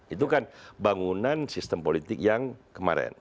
itu kan bangunan sistem politik yang kemarin